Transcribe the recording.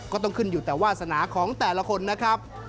ก็ต้องขึ้นอยู่แต่วาสนาของแต่ละคนนะครับ